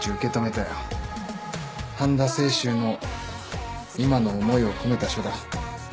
半田清舟の今の思いを込めた書だ。